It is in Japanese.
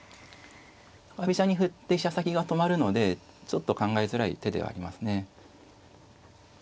中飛車に振って飛車先が止まるのでちょっと考えづらい手ではありますね。